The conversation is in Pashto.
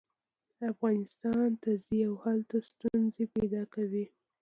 افغانستان ته ځي او هلته ستونزې پیدا کوي.